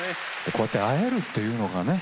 こうやって会えるっていうのがね